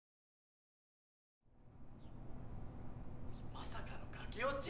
まさかの駆け落ち？